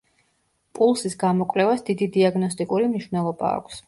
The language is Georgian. პულსის გამოკვლევას დიდი დიაგნოსტიკური მნიშვნელობა აქვს.